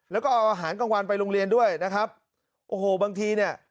แล้วก็เอาอาหารกลางวันไปโรงเรียนด้วยนะครับโอ้โหบางทีเนี่ย